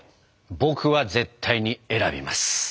僕は絶対に選びます！